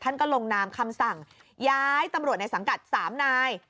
ท่านก็ลงนามคำสั่งย้ายตำรวจในสังกัด๓นาย